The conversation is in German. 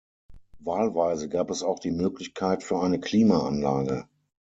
Wahlweise gab es auch die Möglichkeit für eine Klimaanlage.